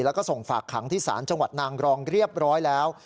แล้วก็ส่งฝากขังที่ศาลจังหวัดนางรองเรียบร้อยแล้ว